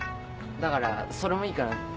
だからそれもいいかなって。